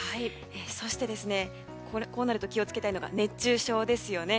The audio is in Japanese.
そして、こうなると気を付けたいのが熱中症ですよね。